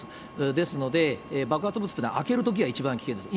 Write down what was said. ですので、爆発物っていうのは、開けるときが一番危険です。